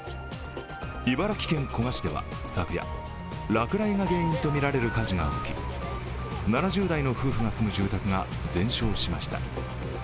茨城県古河市では昨夜、落雷が原因とみられる火事が起き、７０代の夫婦が住む住宅が全焼しました。